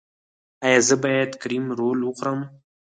ایا زه باید کریم رول وخورم؟